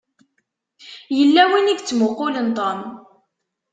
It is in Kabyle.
Yella win i yettmuqqulen Tom.